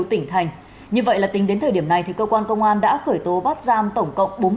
tỉnh thành như vậy là tính đến thời điểm này cơ quan công an đã khởi tố bắt giam tổng cộng